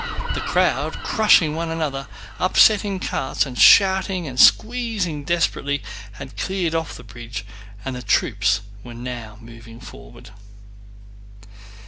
The crowd, crushing one another, upsetting carts, and shouting and squeezing desperately, had cleared off the bridge and the troops were now moving forward.